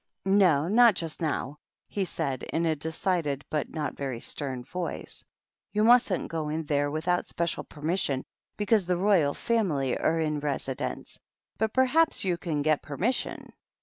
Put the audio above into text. "No, not just now," he said, in a decided but not very stern voice, "You mustn't go in there without special permission, because the royal fam ily are in residence. But perhaps you can get permission."